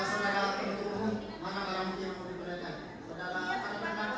saudara jaksim tadi